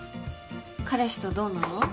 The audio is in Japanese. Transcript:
彼氏とどうなの？